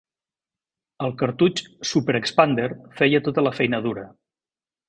El cartutx "Super Expander" feia tota la feina dura.